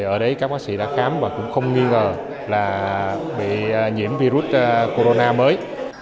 ở đấy các bác sĩ đã khám và cũng không nghi ngờ là bị nhiễm virus corona mới